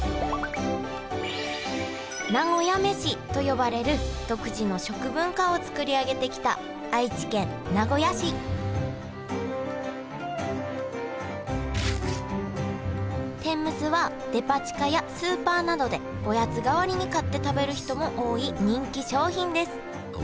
「なごやめし」と呼ばれる独自の食文化をつくり上げてきた愛知県名古屋市天むすはデパ地下やスーパーなどでおやつ代わりに買って食べる人も多い人気商品ですあっ